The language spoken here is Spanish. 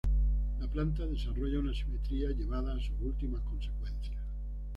La planta desarrolla una simetría llevada a sus últimas consecuencias.